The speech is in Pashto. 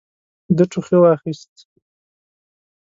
ده ټوخي واخيست.